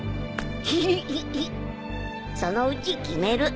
ヒヒヒそのうち決める。